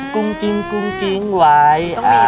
กุ้งกิ้งกุ้งกิ้งไว้